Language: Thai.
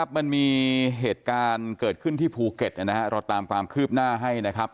มันมีเหตุการณ์เกิดขึ้นที่ภูเก็ตเราตามความคืบหน้าให้นะครับ